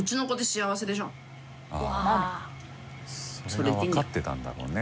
それは分かってたんだろうね